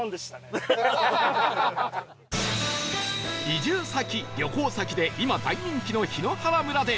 移住先旅行先で今大人気の檜原村で